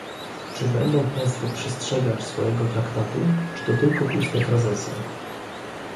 Czy będą państwo przestrzegać swojego traktatu, czy to tylko puste frazesy?